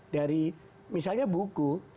dari misalnya buku